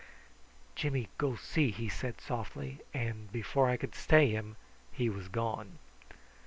"Jimmy go see," he said softly; and before I could stay him he was gone.